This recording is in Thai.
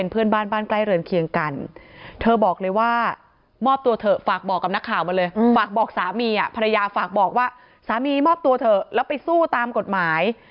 ภรรยาฝากบอกว่าสามีมอบตัวเถอะแล้วไปสู้ตามกฎหมาย